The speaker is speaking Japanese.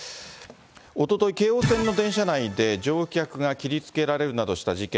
おととい、京王線の電車内で、乗客が切りつけられるなどした事件。